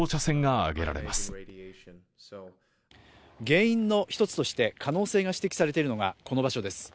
原因の１つとして可能性が指摘されているのが、この場所です。